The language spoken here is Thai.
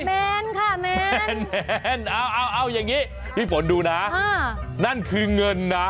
แมนค่ะแมนแมนเอาอย่างนี้พี่ฝนดูนะนั่นคือเงินนะ